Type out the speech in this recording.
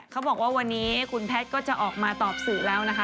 เขาบอกว่าวันนี้คุณแพทย์ก็จะออกมาตอบสื่อแล้วนะคะ